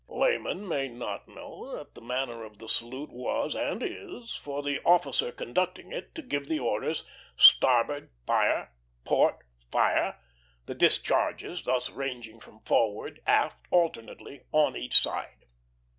Laymen may not know that the manner of the salute was, and is, for the officer conducting it to give the orders, "Starboard, fire!" "Port, fire!" the discharges thus ranging from forward, aft, alternately on each side.